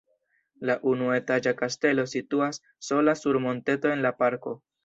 La unuetaĝa kastelo situas sola sur monteto en la parko.